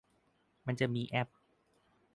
มันจะมีแอป